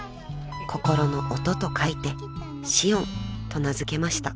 ［心の音と書いて心音と名付けました］